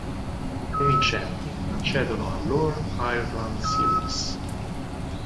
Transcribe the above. Le vincenti accedono all'All-Ireland series.